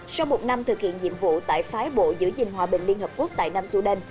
sau một năm thực hiện nhiệm vụ tại phái bộ giữ gìn hòa bình liên hợp quốc tại nam sudan